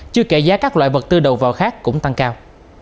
chưa kể giá các loại vật tư đầu vào khác cũng tăng cao